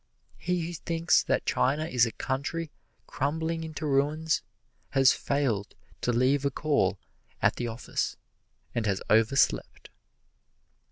He who thinks that China is a country crumbling into ruins has failed to leave a call at the office and has overslept.